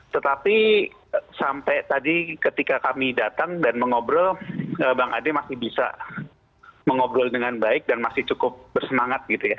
tetapi sampai tadi ketika kami datang dan mengobrol bang ade masih bisa mengobrol dengan baik dan masih cukup bersemangat gitu ya